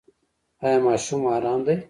ایا ماشوم مو ارام دی؟